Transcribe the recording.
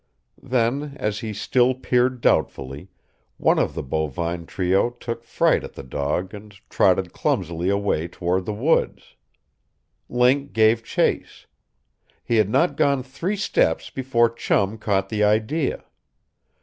Then, as he still peered doubtfully, one of the bovine trio took fright at the dog and trotted clumsily away toward the woods. Link gave chase. He had not gone three steps before Chum caught the idea.